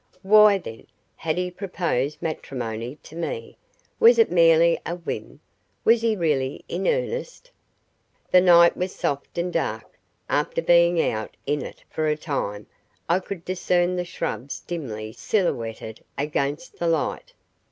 Why, then, had he proposed matrimony to me? Was it merely a whim? Was he really in earnest? The night was soft and dark; after being out in it for a time I could discern the shrubs dimly silhouetted against the light.